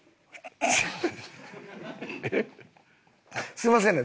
すみませんね。